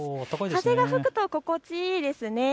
風が吹くと心地いいですね。